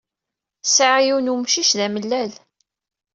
Sɛiɣ yiwen n wemcic d amellal.